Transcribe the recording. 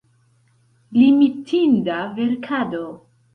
Imitinda verkado.